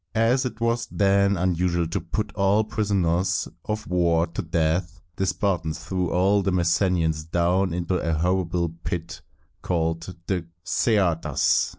As it was then usual to put all prisoners of war to death, the Spartans threw all the Messenians down into a horrible pit called the Ce´a das.